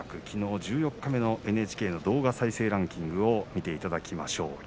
きのう十四日目のＮＨＫの動画再生ランキングを見ていただきましょう。